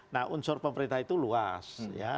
nah unsur pemerintah itu luas